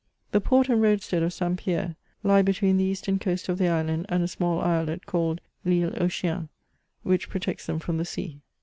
The port and roadstead of St. Pierre lie between the eastern coast of the island and a small islet called I'lle aux ChienSj which protects them from the sea.